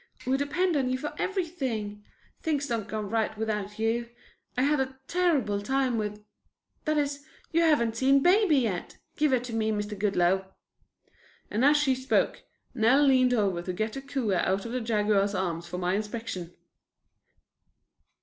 We depend on you for everything. Things don't go right without you. I had a terrible time with that is, you haven't seen baby yet. Give her to me, Mr. Goodloe," and as she spoke Nell leaned over to get the cooer out of the Jaguar's arms for my inspection.